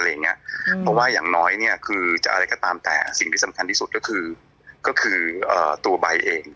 เพราะว่าอย่างน้อยเนี่ยคือจะอะไรก็ตามแต่สิ่งที่สำคัญที่สุดก็คือก็คือตัวใบเอง